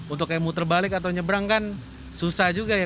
untuk kayak muter balik atau nyebrang kan susah juga ya